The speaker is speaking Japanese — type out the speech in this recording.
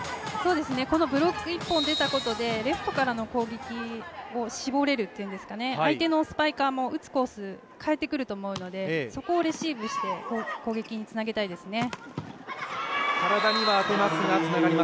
このブロック１本出たことでレフトからの攻撃を絞れるというんですかね、相手のスパイカーも打つコースを変えてくると思うので、そこをレシーブして攻撃につなげたいですね。